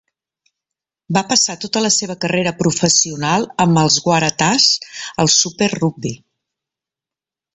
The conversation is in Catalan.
Va passar tota la seva carrera professional amb els Waratahs al Super Rugby.